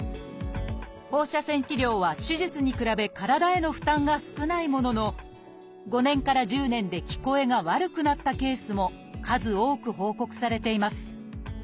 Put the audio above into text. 放射線治療は手術に比べ体への負担が少ないものの５年から１０年で聞こえが悪くなったケースも数多く報告されています。